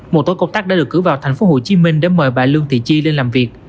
một tổ công tác đã được cử vào tp hcm để mời bà lương thị chi lên làm việc